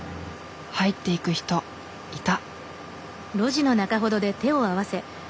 入っていく人いた！